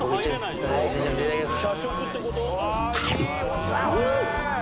いただきます。